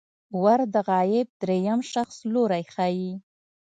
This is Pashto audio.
ور د غایب دریم شخص لوری ښيي.